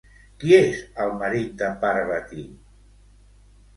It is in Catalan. Qui és el marit de Pàrvati?